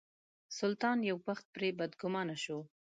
سلطان یو وخت پرې بدګومانه شو.